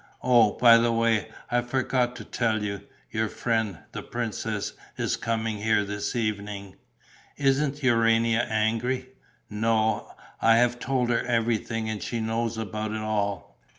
"Oh, by the way, I forgot to tell you: your friend, the princess, is coming here this evening!" "Isn't Urania angry?" "No, I have told her everything and she knows about it all."